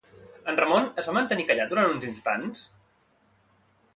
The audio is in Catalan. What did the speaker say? En Ramon es va mantenir callat durant uns instants?